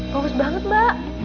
fokus banget ma